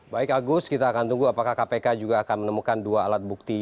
baik agus kita akan tunggu apakah kpk juga akan menemukan dua alat bukti